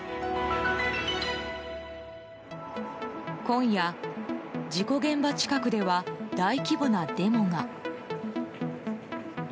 今夜、事故現場近くでは大規模なデモが。